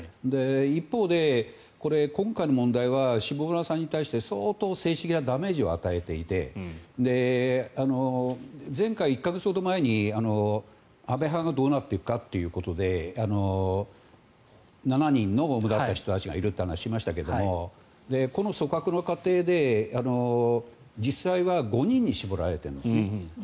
一方で、今回の問題は下村さんに対して相当、精神的なダメージを与えていて、前回１か月ほど前に安倍派がどうなっていくかということで７人の主立った人がいるという話ですがこの組閣の過程で実際は５人に絞られています。